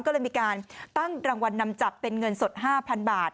ก็เลยมีการตั้งรางวัลนำจับเป็นเงินสด๕๐๐๐บาท